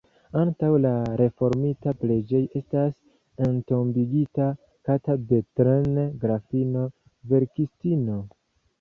Antaŭ la reformita preĝejo estas entombigita Kata Bethlen, grafino, verkistino.